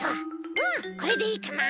うんこれでいいかな？